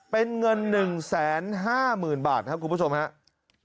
เป็นเงิน๑๕๐๐๐บาทครับคุณผู้ชมครับ